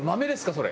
それ。